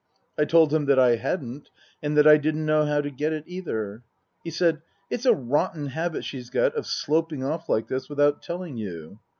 I told him that I hadn't, and that I didn't know how to get it, either. He said, " It's a rotten habit she's got of sloping off like this without telling you."